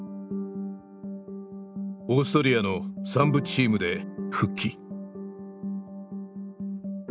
オーストリアの３部チームで復帰。